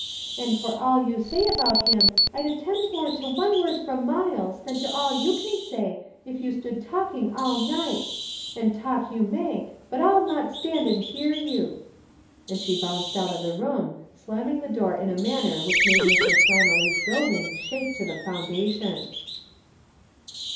And for all you say about him, I'd attend more to one word from Myles, than to all you say, if you stood talking till night; and talk you may, but I'll not stand and hear you!" And she bounced out of the room, slamming the door in a manner which made Mr. Flannelly's building shake to the foundation.